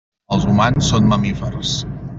Els humans són mamífers.